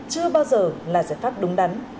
chưa bao giờ là giải pháp đúng đắn